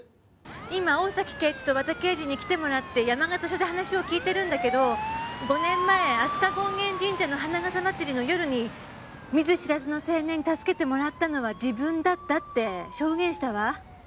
今大崎刑事と和田刑事に来てもらって山形署で話を聞いてるんだけど５年前飛鳥権現神社の花笠祭りの夜に見ず知らずの青年に助けてもらったのは自分だったって証言したわ。